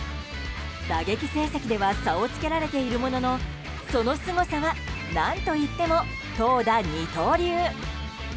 打撃成績では差をつけられているもののそのすごさは何といっても投打二刀流。